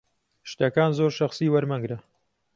شتەکان زۆر شەخسی وەرمەگرە.